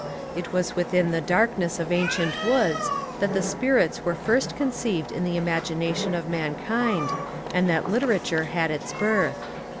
It was within the darkness of ancient woods that the spirits were first conceived in the imagination of mankind and that literature had its birth.